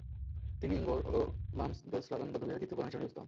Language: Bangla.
তিনি ঙ্গোর-এ-বাম-ছোস-ল্দান বৌদ্ধবিহারের তৃতীয় প্রধান হিসেবে নির্বাচিত হন।